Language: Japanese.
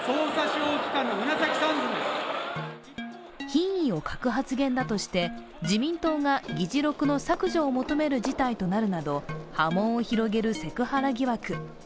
品位を欠く発言だとして、自民党が議事録の削除を求める事態となるなど波紋を広げるセクハラ疑惑。